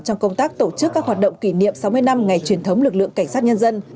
trong công tác tổ chức các hoạt động kỷ niệm sáu mươi năm ngày truyền thống lực lượng cảnh sát nhân dân